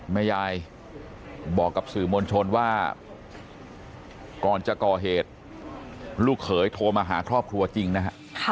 แม่ยายบอกกับสื่อมวลชนว่าก่อนจะก่อเหตุลูกเขยโทรมาหาครอบครัวจริงนะฮะ